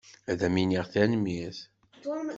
Ad am-iniɣ tanemmirt.